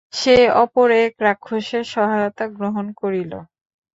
সে অপর এক রাক্ষসের সহায়তা গ্রহণ করিল।